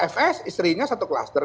fs istrinya satu kluster